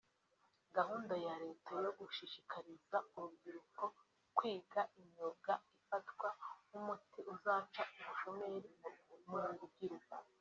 Gahunda ya Leta yo gushishikariza urubyiruko kwiga imyuga ifatwa nk’umuti uzaca ubushomeri mu rubyiruko